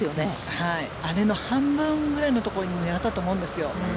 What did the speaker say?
あれの半分ぐらいのところを狙ったと思うんですよ。